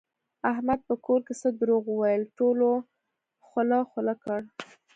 احمد په کور کې څه دروغ وویل ټولو خوله خوله کړ.